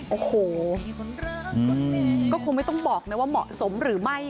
โอ้โหก็คงไม่ต้องบอกเลยว่าเหมาะสมหรือไม่